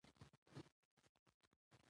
چنګلونه د افغانستان د ښاري پراختیا سبب کېږي.